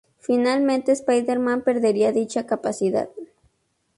Finalmente Spider-Man perdería dicha capacidad.